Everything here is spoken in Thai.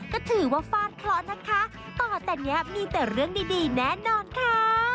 ต่อแต่นี้มีแต่เรื่องดีแน่นอนค่ะ